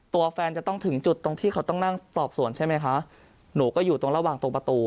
ตัวแฟนจะต้องถึงจุดตรงที่เขาต้องนั่งสอบสวนใช่ไหมคะหนูก็อยู่ตรงระหว่างตรงประตู